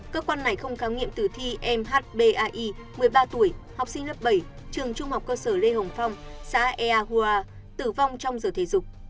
cơ quan này không kháng nghiệm tử thi mhbai một mươi ba tuổi học sinh lớp bảy trường trung học cơ sở lê hồng phong xã ea hua tử vong trong giờ thể dục